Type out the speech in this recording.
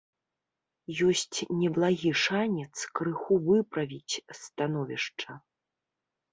Ёсць неблагі шанец крыху выправіць становішча.